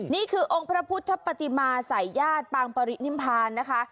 นี่คือองค์พระพุทธปฏิมาสายญาติปางปรินิมพานนะคะ